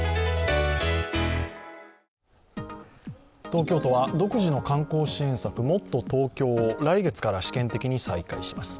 東京都は独自の観光支援策、もっとＴｏｋｙｏを、来月から試験的に再開します。